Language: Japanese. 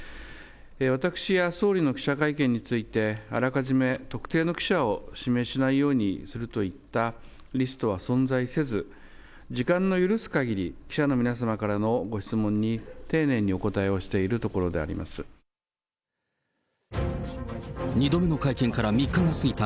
私や総理の記者会見について、あらかじめ特定の記者を指名しないようにするといったリストは存在せず、時間の許すかぎり、記者の皆様からのご質問に丁寧にお答えをしているところでありま２度目の会見から３日が過ぎた